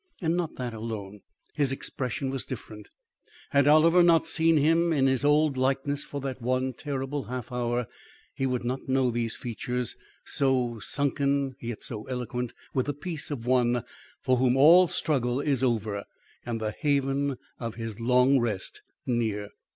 And not that alone. His expression was different. Had Oliver not seen him in his old likeness for that one terrible half hour, he would not know these features, so sunken, yet so eloquent with the peace of one for whom all struggle is over, and the haven of his long rest near.